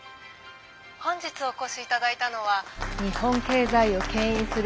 本日お越し頂いたのは日本経済をけん引する